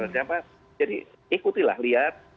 jadi ikutilah lihat